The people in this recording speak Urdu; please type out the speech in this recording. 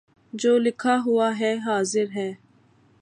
جو لکھا ہوا ہے حاضر ہے